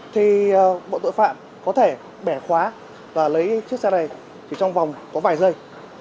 thì bộ tội phạm có thể bẻ khóa và lấy chiếc xe này chỉ trong vòng có vài giây